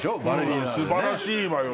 素晴らしいわよ